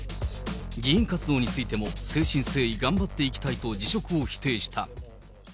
議員活動についても誠心誠意、頑張っていきたいと辞職を否定した。